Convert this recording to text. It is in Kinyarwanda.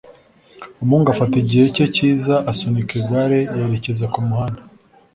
Umuhungu afata igihe cye cyiza asunika igare yerekeza kumuhanda